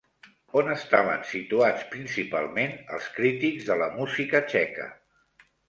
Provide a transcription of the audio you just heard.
On estaven situats principalment els crítics de la música txeca?